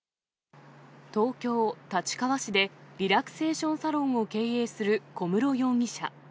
東京・立川市でリラクセーションサロンを経営する小室容疑者。